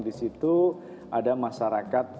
di situ ada masyarakat